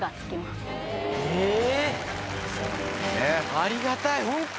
ありがたい。